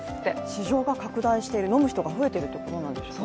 市場が拡大している飲む人が増えているということですね。